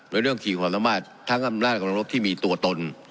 โดยเรื่องขี่ขวัญละมากทั้งอันด้านกำลังรบที่มีตัวตน